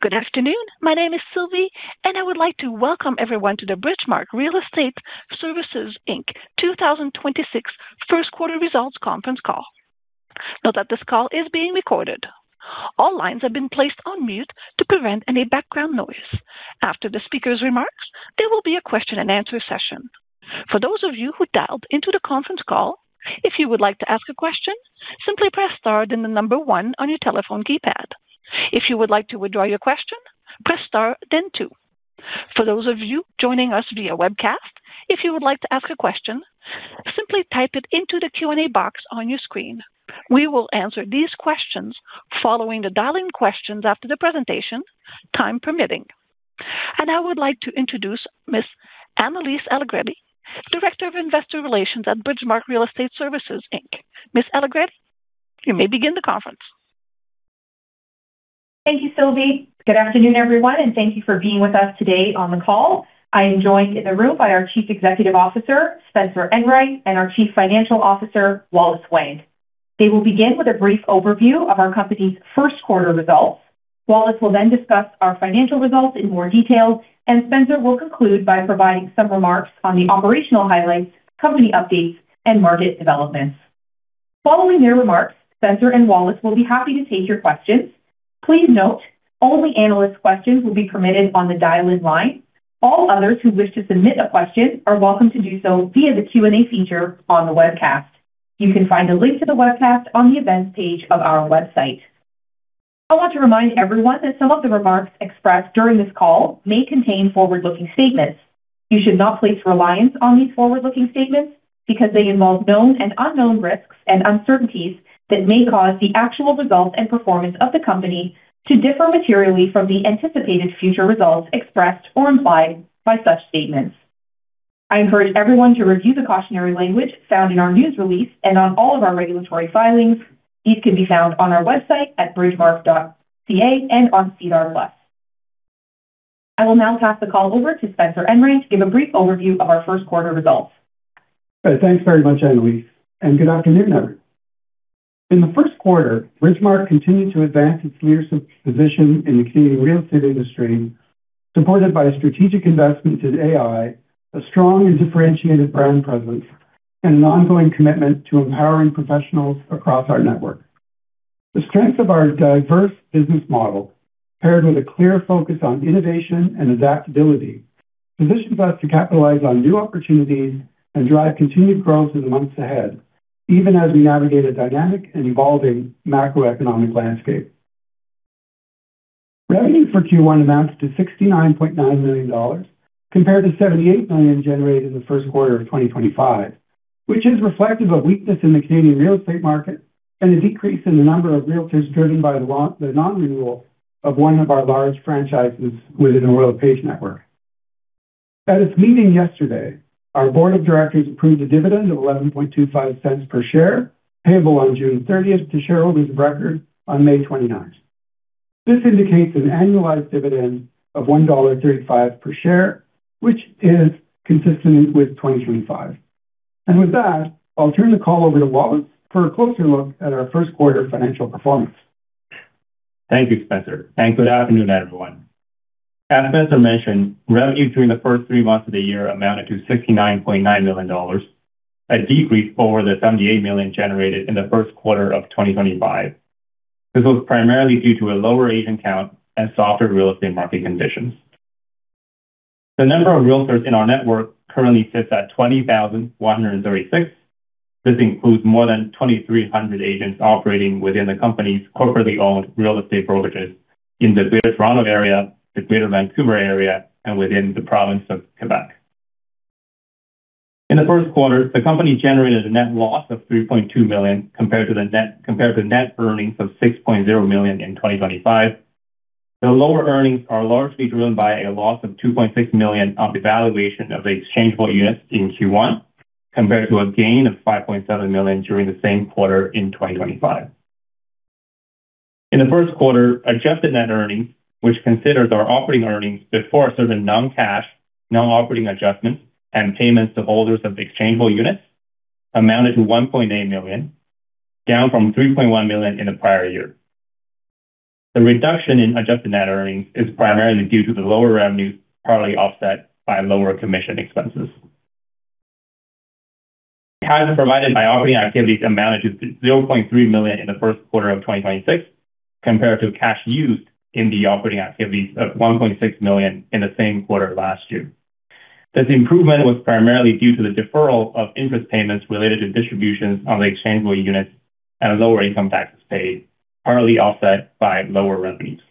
Good afternoon. My name is Sylvie, and I would like to welcome everyone to the Bridgemarq Real Estate Services Inc 2026 first quarter results conference call. Note that this call is being recorded. All lines have been placed on mute to prevent any background noise. After the speaker's remarks, there will be a question and answer session. For those of you who dialed into the conference call, if you would like to ask a question, simply press star, then one on your telephone keypad. If you would like to withdraw your question, press star, then two. For those of you joining us via webcast, if you would like to ask a question, simply type it into the Q&A box on your screen. We will answer these questions following the dial-in questions after the presentation, time permitting. I would like to introduce Ms. Anne-Elise Cugliari Allegritti, Director of Investor Relations at Bridgemarq Real Estate Services Inc. Ms. Allegritti, you may begin the conference. Thank you, Sylvie. Good afternoon, everyone, and thank you for being with us today on the call. I am joined in the room by our Chief Executive Officer, Spencer Enright, and our Chief Financial Officer, Wallace Wang. They will begin with a brief overview of our company's first quarter results. Wallace will then discuss our financial results in more detail, and Spencer will conclude by providing some remarks on the operational highlights, company updates and market developments. Following their remarks, Spencer and Wallace will be happy to take your questions. Please note only analyst questions will be permitted on the dial-in line. All others who wish to submit a question are welcome to do so via the Q&A feature on the webcast. You can find a link to the webcast on the events page of our website. I want to remind everyone that some of the remarks expressed during this call may contain forward-looking statements. You should not place reliance on these forward-looking statements because they involve known and unknown risks and uncertainties that may cause the actual results and performance of the company to differ materially from the anticipated future results expressed or implied by such statements. I encourage everyone to review the cautionary language found in our news release and on all of our regulatory filings. These can be found on our website at bridgemarq.com and on SEDAR+. I will now pass the call over to Spencer Enright to give a brief overview of our first quarter results. Thanks very much, Anne-Elise Allegritti, and good afternoon. In the first quarter, Bridgemarq continued to advance its leadership position in the Canadian real estate industry, supported by a strategic investment in AI, a strong and differentiated brand presence, and an ongoing commitment to empowering professionals across our network. The strength of our diverse business model, paired with a clear focus on innovation and adaptability, positions us to capitalize on new opportunities and drive continued growth in the months ahead, even as we navigate a dynamic and evolving macroeconomic landscape. Revenue for Q1 amounted to 69.9 million dollars, compared to 78 million generated in the first quarter of 2025, which is reflective of weakness in the Canadian real estate market and a decrease in the number of realtors driven by the non-renewal of one of our large franchises within the Royal LePage network. At its meeting yesterday, our board of directors approved a dividend of 0.1125 per share, payable on June 30th to shareholders of record on May 29th. This indicates an annualized dividend of 1.35 dollar per share, which is consistent with 2025. With that, I'll turn the call over to Wallace Wang for a closer look at our first quarter financial performance. Thank you, Spencer, and good afternoon, everyone. As Spencer mentioned, revenue during the first three months of the year amounted to 69.9 million dollars, a decrease over the 78 million generated in the first quarter of 2025. This was primarily due to a lower agent count and softer real estate market conditions. The number of realtors in our network currently sits at 20,136. This includes more than 2,300 agents operating within the company's corporately owned real estate brokerages in the Greater Toronto Area, the Greater Vancouver Area, and within the province of Quebec. In the first quarter, the company generated a net loss of 3.2 million compared to net earnings of 6.0 million in 2025. The lower earnings are largely driven by a loss of 2.6 million on the valuation of the exchangeable units in Q1, compared to a gain of 5.7 million during the same quarter in 2025. In the first quarter, adjusted net earnings, which considers our operating earnings before certain non-cash, non-operating adjustments and payments to holders of the exchangeable units, amounted to 1.8 million, down from 3.1 million in the prior year. The reduction in adjusted net earnings is primarily due to the lower revenue, partly offset by lower commission expenses. Cash provided by operating activities amounted to 0.3 million in the first quarter of 2026, compared to cash used in the operating activities of 1.6 million in the same quarter last year. This improvement was primarily due to the deferral of interest payments related to distributions on the exchangeable units at a lower income tax rate, partly offset by lower revenues.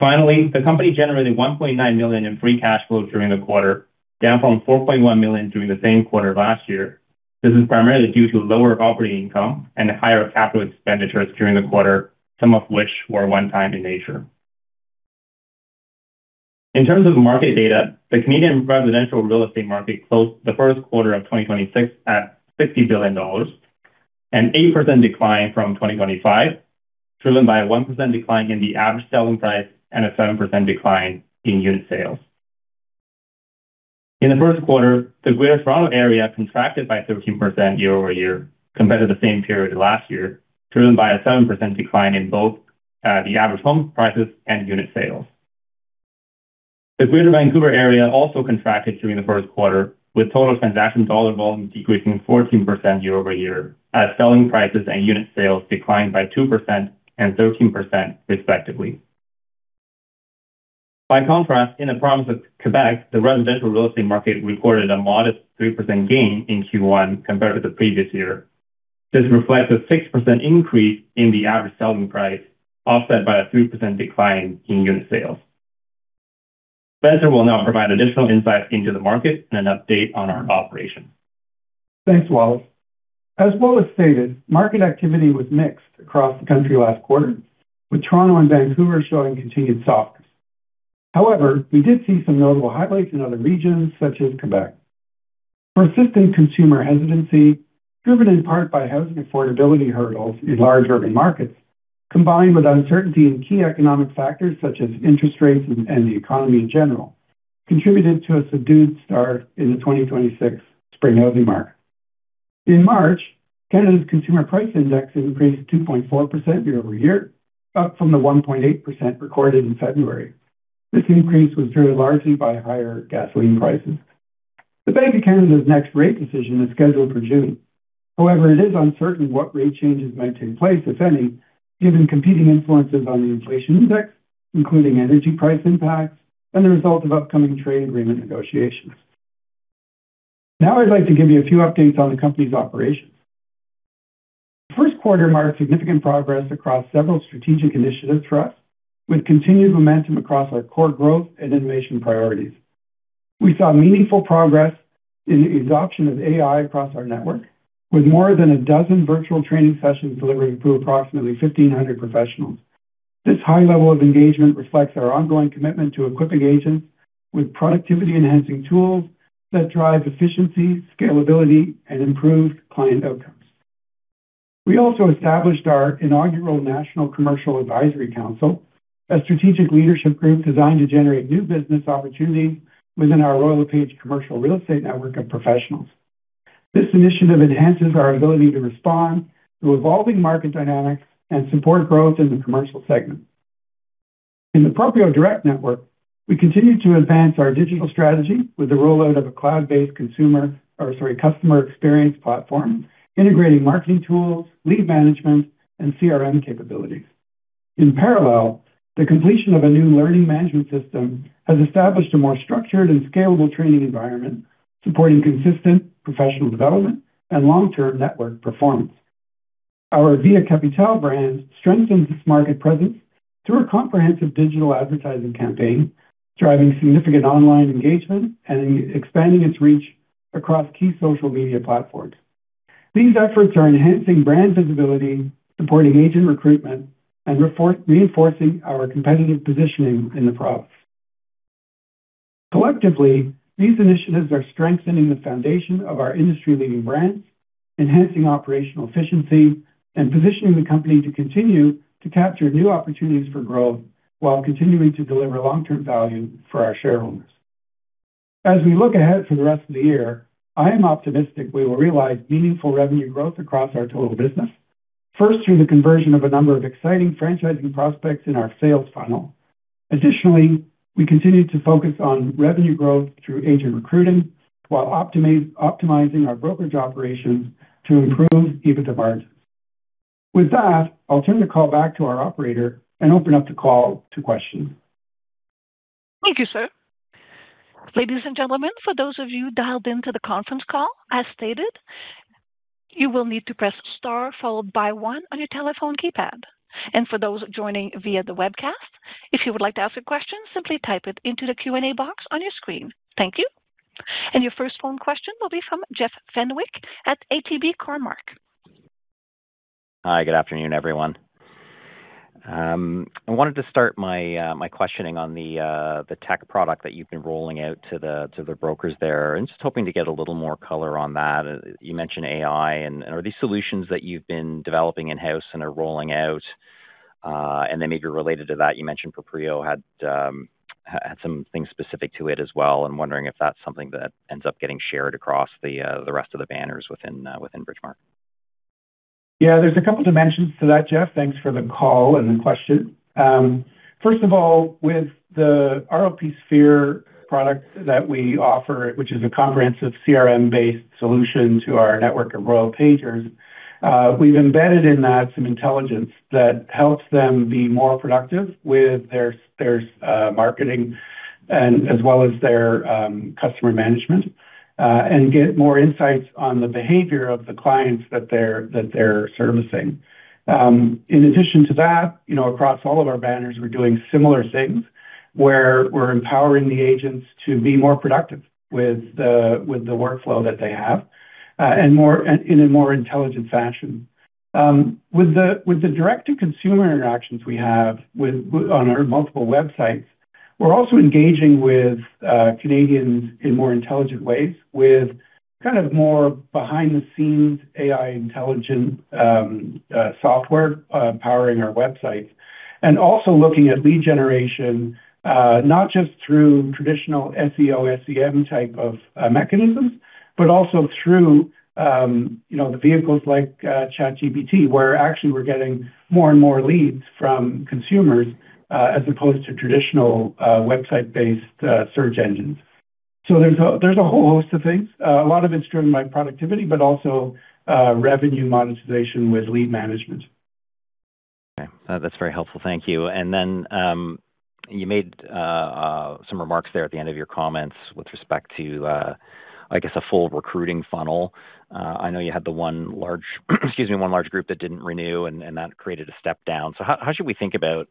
The company generated 1.9 million in free cash flow during the quarter, down from 4.1 million during the same quarter last year. This is primarily due to lower operating income and higher capital expenditures during the quarter, some of which were one-time in nature. In terms of market data, the Canadian residential real estate market closed the first quarter of 2026 at 50 billion dollars, an 8% decline from 2025, driven by a 1% decline in the average selling price and a 7% decline in unit sales. In the first quarter, the Greater Toronto Area contracted by 13% year-over-year compared to the same period last year, driven by a 7% decline in both the average home prices and unit sales. The Greater Vancouver Area also contracted during the first quarter, with total transaction dollar volume decreasing 14% year-over-year, as selling prices and unit sales declined by 2% and 13% respectively. By contrast, in the province of Quebec, the residential real estate market recorded a modest 3% gain in Q1 compared to the previous year. This reflects a 6% increase in the average selling price, offset by a 3% decline in unit sales. Spencer will now provide additional insights into the market and an update on our operations. Thanks, Wallace. As Wallace stated, market activity was mixed across the country last quarter, with Toronto and Vancouver showing continued softness. We did see some notable highlights in other regions, such as Quebec. Persistent consumer hesitancy, driven in part by housing affordability hurdles in large urban markets, combined with uncertainty in key economic factors such as interest rates and the economy in general, contributed to a subdued start in the 2026 spring housing market. In March, Canada's Consumer Price Index increased 2.4% year-over-year, up from the 1.8% recorded in February. This increase was driven largely by higher gasoline prices. The Bank of Canada's next rate decision is scheduled for June. It is uncertain what rate changes might take place, if any, given competing influences on the inflation index, including energy price impacts and the result of upcoming trade agreement negotiations. Now I'd like to give you a few updates on the company's operations. First quarter marked significant progress across several strategic initiatives for us, with continued momentum across our core growth and innovation priorities. We saw meaningful progress in the adoption of AI across our network, with more than 12 virtual training sessions delivered to approximately 1,500 professionals. This high level of engagement reflects our ongoing commitment to equipping agents with productivity-enhancing tools that drive efficiency, scalability, and improved client outcomes. We also established our inaugural National Commercial Advisory Council, a strategic leadership group designed to generate new business opportunities within our Royal LePage Commercial real estate network of professionals. This initiative enhances our ability to respond to evolving market dynamics and support growth in the commercial segment. In the Proprio Direct network, we continue to advance our digital strategy with the rollout of a cloud-based customer experience platform, integrating marketing tools, lead management, and CRM capabilities. In parallel, the completion of a new learning management system has established a more structured and scalable training environment, supporting consistent professional development and long-term network performance. Our Via Capitale brand strengthens its market presence through a comprehensive digital advertising campaign, driving significant online engagement and expanding its reach across key social media platforms. These efforts are enhancing brand visibility, supporting agent recruitment, and reinforcing our competitive positioning in the province. Collectively, these initiatives are strengthening the foundation of our industry-leading brands, enhancing operational efficiency, and positioning the company to continue to capture new opportunities for growth while continuing to deliver long-term value for our shareholders. As we look ahead for the rest of the year, I am optimistic we will realize meaningful revenue growth across our total business, first through the conversion of a number of exciting franchising prospects in our sales funnel. Additionally, we continue to focus on revenue growth through agent recruiting while optimizing our brokerage operations to improve EBITDA margins. With that, I'll turn the call back to our operator and open up the call to questions. Thank you, sir. Ladies and gentlemen, for those of you dialed into the conference call, as stated, you will need to press star followed by one on your telephone keypad. For those joining via the webcast, if you would like to ask a question, simply type it into the Q&A box on your screen. Thank you. Your first phone question will be from Jeff Fenwick at ATB Cormark. Hi, good afternoon, everyone. I wanted to start my questioning on the tech product that you've been rolling out to the brokers there, and just hoping to get a little more color on that. You mentioned AI. Are these solutions that you've been developing in-house and are rolling out? Then maybe related to that, you mentioned Proprio had had some things specific to it as well. I'm wondering if that's something that ends up getting shared across the rest of the banners within Bridgemarq? Yeah, there's a couple dimensions to that, Jeff. Thanks for the call and the question. First of all, with the rlpSPHERE product that we offer, which is a comprehensive CRM-based solution to our network of Royal LePage, we've embedded in that some intelligence that helps them be more productive with their marketing and as well as their customer management, and get more insights on the behavior of the clients that they're servicing. In addition to that, you know, across all of our banners, we're doing similar things, where we're empowering the agents to be more productive with the workflow that they have, in a more intelligent fashion. With the direct to consumer interactions we have with, on our multiple websites, we're also engaging with Canadians in more intelligent ways with kind of more behind-the-scenes AI intelligent software powering our websites. Also looking at lead generation, not just through traditional SEO, SEM-type of mechanisms, but also through, you know, the vehicles like ChatGPT, where actually we're getting more and more leads from consumers, as opposed to traditional, website-based search engines. There's a whole host of things. A lot of it's driven by productivity, but also, revenue monetization with lead management. Okay. That's very helpful. Thank you. You made some remarks there at the end of your comments with respect to, I guess, a full recruiting funnel. I know you had the one large group that didn't renew and that created a step-down. How should we think about,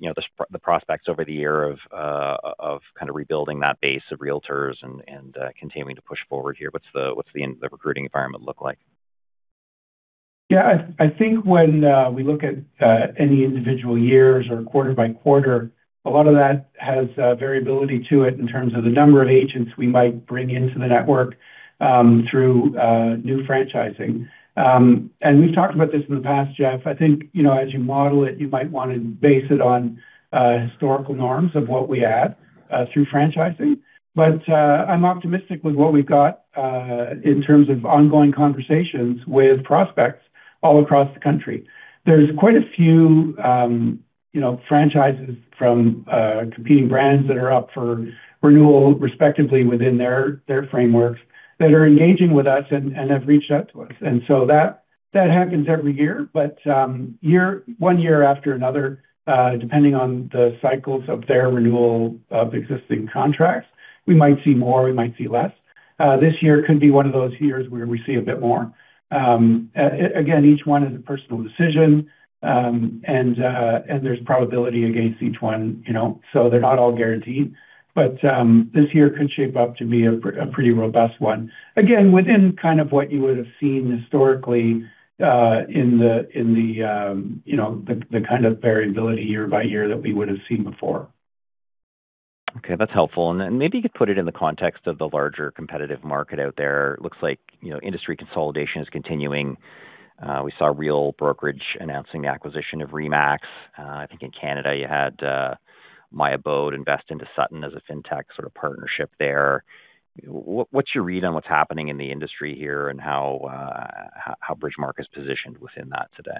you know, the prospects over the year of kind of rebuilding that base of realtors and continuing to push forward here? What's the recruiting environment look like? Yeah. I think when we look at any individual years or quarter by quarter, a lot of that has variability to it in terms of the number of agents we might bring into the network through new franchising. We've talked about this in the past, Jeff. I think, you know, as you model it, you might wanna base it on historical norms of what we had through franchising. I'm optimistic with what we've got in terms of ongoing conversations with prospects all across the country. There's quite a few, you know, franchises from competing brands that are up for renewal respectively within their frameworks that are engaging with us and have reached out to us. That happens every year. One year after another, depending on the cycles of their renewal of existing contracts, we might see more, we might see less. This year could be one of those years where we see a bit more. Again, each one is a personal decision. And there's probability against each one, you know, so they're not all guaranteed. This year could shape up to be a pretty robust one. Again, within kind of what you would have seen historically, in the, in the, you know, the kind of variability year by year that we would have seen before. Okay, that's helpful. Maybe you could put it in the context of the larger competitive market out there. Looks like, you know, industry consolidation is continuing. We saw The Real Brokerage Inc. announcing the acquisition of RE/MAX. I think in Canada, you had myAbode invest into Sutton Group as a fintech sort of partnership there. What's your read on what's happening in the industry here, and how Bridgemarq is positioned within that today?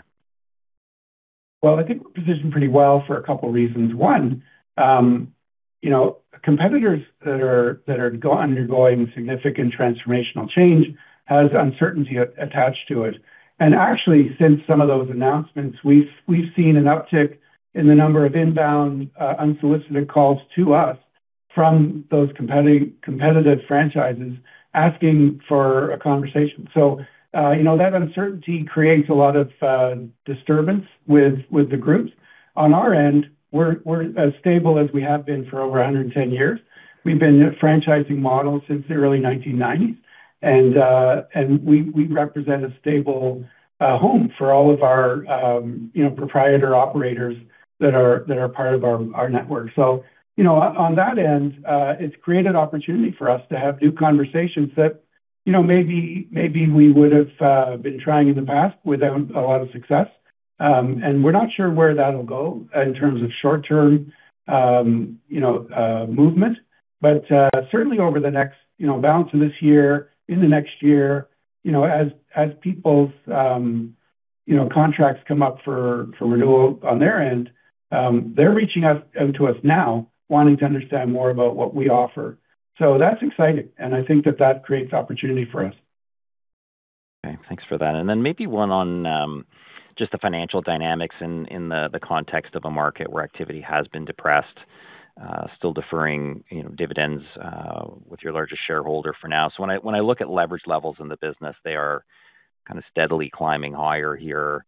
Well, I think we're positioned pretty well for a couple reasons. One, you know, competitors that are undergoing significant transformational change has uncertainty attached to it. Actually, since some of those announcements, we've seen an uptick in the number of inbound, unsolicited calls to us from those competitive franchises asking for a conversation. You know, that uncertainty creates a lot of disturbance with the groups. On our end, we're as stable as we have been for over 110 years. We've been a franchising model since the early 1990s, we represent a stable home for all of our, you know, proprietor operators that are part of our network. You know, on that end, it's created opportunity for us to have new conversations that, you know, maybe we would have been trying in the past without a lot of success. We're not sure where that'll go in terms of short-term, you know, movement. Certainly over the next, you know, balance of this year, in the next year, you know, as people's, you know, contracts come up for renewal on their end, they're reaching out to us now wanting to understand more about what we offer. That's exciting, and I think that that creates opportunity for us. Okay. Thanks for that. Maybe one on just the financial dynamics in the context of a market where activity has been depressed, still deferring, you know, dividends with your largest shareholder for now. When I look at leverage levels in the business, they are kind of steadily climbing higher here.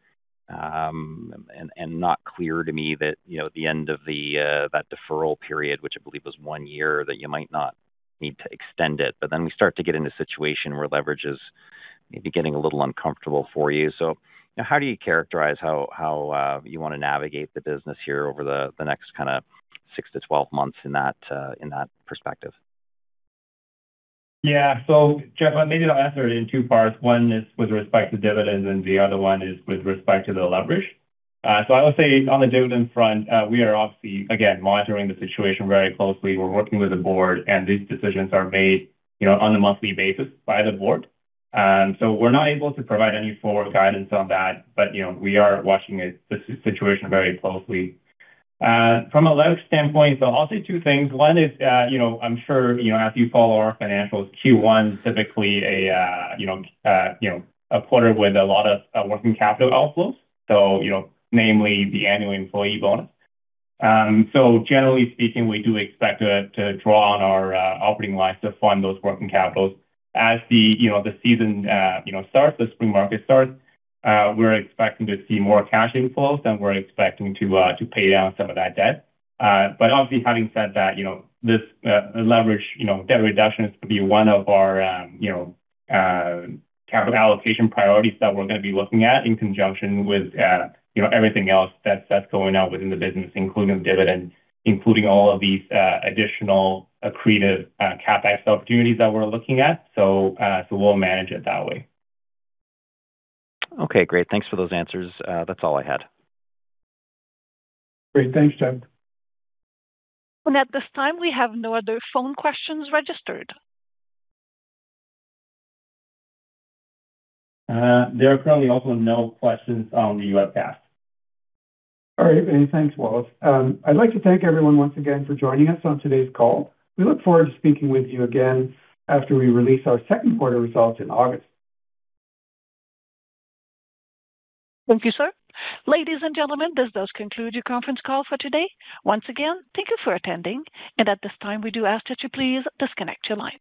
Not clear to me that, you know, the end of the one year deferral period, which I believe was one year, that you might not need to extend it. We start to get into a situation where leverage is maybe getting a little uncomfortable for you. You know, how do you characterize how you want to navigate the business here over the next kind of six to 12 months in that perspective? Yeah. Jeff, maybe I'll answer it in two parts. One is with respect to dividends, and the other one, is with respect to the leverage. I would say on the dividend front, we are obviously, again, monitoring the situation very closely. We're working with the board, and these decisions are made, you know, on a monthly basis by the board. We're not able to provide any forward guidance on that. You know, we are watching it, the situation very closely. From a leverage standpoint, I'll say two things. one is, you know, I'm sure, you know, as you follow our financials, Q1 is typically a, you know, a quarter with a lot of working capital outflows. You know, namely the annual employee bonus. Generally speaking, we do expect to draw on our operating lines to fund those working capitals. As the season starts, the spring market starts, we're expecting to see more cash inflows than we're expecting to pay down some of that debt. Obviously, having said that, this leverage, debt reduction is gonna be one of our capital allocation priorities that we're gonna be looking at in conjunction with everything else that's going on within the business, including dividends, including all of these additional accretive CapEx opportunities that we're looking at. We'll manage it that way. Okay, great. Thanks for those answers. That's all I had. Great. Thanks, Jeff. At this time, we have no other phone questions registered. There are currently also no questions on the webcast. All right then. Thanks, Wallace. I'd like to thank everyone once again for joining us on today's call. We look forward to speaking with you again after we release our second quarter results in August. Thank you, sir. Ladies and gentlemen, this does conclude your conference call for today. Once again, thank you for attending. At this time, we do ask that you please disconnect your lines.